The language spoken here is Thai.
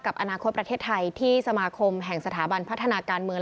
อนาคตประเทศไทยที่สมาคมแห่งสถาบันพัฒนาการเมือง